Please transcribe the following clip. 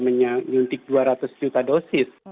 menyuntik dua ratus juta dosis